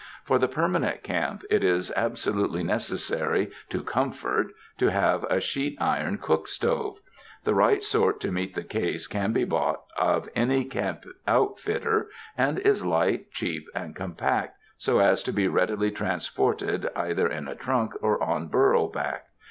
For the permanent camp, it is absolutely necessary to comfort to haye a sheet iron cook stove. The right sort to meet the case can be bought of any camp outfitter and is light, cheap and compact, so as to be readily transported either in a trunk or on burro back.